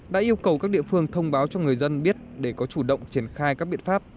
đã yêu cầu các địa phương thông báo cho người dân biết để có chủ động triển khai các biện pháp